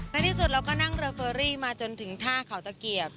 ในที่สุดเราก็นั่งเรือเฟอรี่มาจนถึงท่าเขาตะเกียบ